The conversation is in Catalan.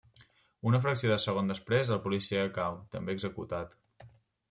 Una fracció de segon després, el policia cau, també executat.